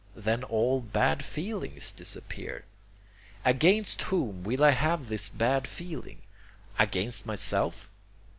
Then all bad feelings disappear. Against whom will I have this bad feeling? Against myself?